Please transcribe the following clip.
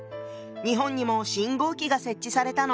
日本にも信号機が設置されたの。